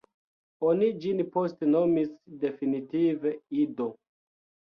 Oni ĝin poste nomis definitive "Ido".